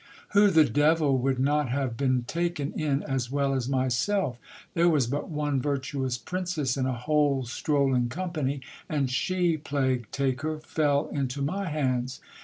Who the devil would not have been taken in as well as myself? There was but one virtuous princess in a whole strolling company, and she, plague take her ! fell into my hands.